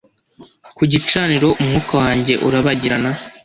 ku gicaniro umwuka wanjye urabagirana